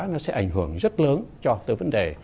nó sẽ ảnh hưởng rất lớn cho tới vấn đề